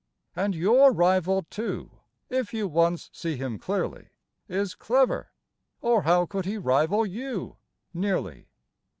And your rival, too, if you once see him clearly, Is clever, or how could he rival you, nearly?